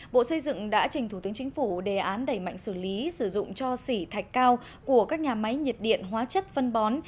bộ xây dựng đã trình thủ tướng chính phủ đề án đẩy mạnh xử lý sử dụng cho xỉ thạch cao của các nhà máy nhiệt điện hóa chất phân bó